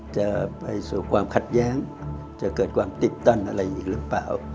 จะไปสู่ความขัดแย้งจะเกิดความติดตั้งอะไรอีกหรือเปล่า